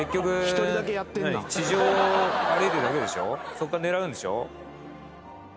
そっから狙うんでしょ？